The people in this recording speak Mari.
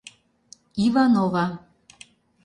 Иванова.